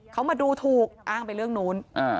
เขามาดูถูกอ้างไปเรื่องนู้น